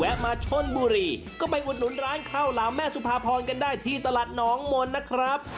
มาชนบุรีก็ไปอุดหนุนร้านข้าวหลามแม่สุภาพรกันได้ที่ตลาดหนองมนต์นะครับ